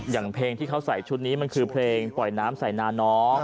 อย่างเพลงที่เขาใส่ชุดนี้มันคือเพลงปล่อยน้ำใส่นาน้อง